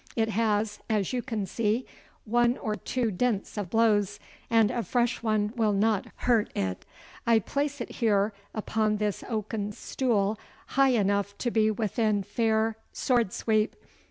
It has, as you can see, one or two dints of blows, and a fresh one will not hurt it. I place it here upon this oaken stool high enough to be within fair sword sweep.